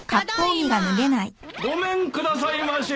・ごめんくださいまし。